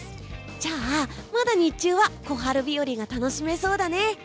じゃあまだ日中は小春日和が楽しめそうだね！